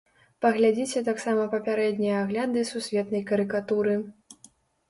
Паглядзіце таксама папярэднія агляды сусветнай карыкатуры.